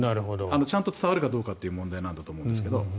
ちゃんと伝わるかどうかという問題なんだと思うんですが。